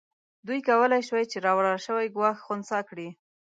دوی کولای شوای چې راولاړ شوی ګواښ خنثی کړي.